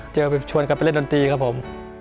เจอกันไปชวนกันไปเล่นดนตรีครับผม